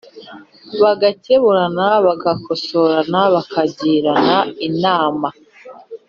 bagakeburana: bagakosorana, bakagirana inama.